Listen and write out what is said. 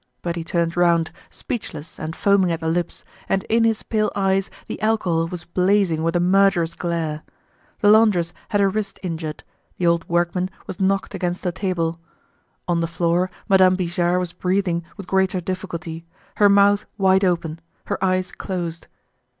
But he turned round, speechless and foaming at the lips, and in his pale eyes the alcohol was blazing with a murderous glare. The laundress had her wrist injured; the old workman was knocked against the table. On the floor, Madame Bijard was breathing with greater difficulty, her mouth wide open, her eyes closed.